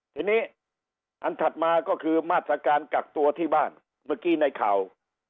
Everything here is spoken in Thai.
ทีนี้อันถัดมาก็คือมาตรการกักตัวที่บ้านเมื่อกี้ในข่าว